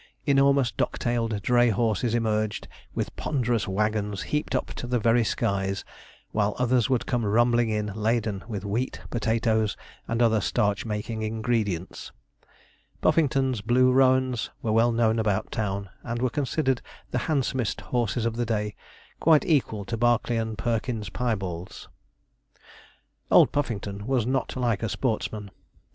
Enormous dock tailed dray horses emerged with ponderous waggons heaped up to the very skies, while others would come rumbling in, laden with wheat, potatoes, and other starch making ingredients. Puffington's blue roans were well known about town, and were considered the handsomest horses of the day; quite equal to Barclay and Perkin's piebalds. Old Puffington was not like a sportsman.